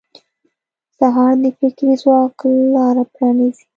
سهار د فکري ځواک لاره پرانیزي.